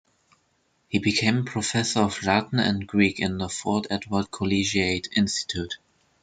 He became a professor of Latin and Greek in the Fort Edward Collegiate Institute.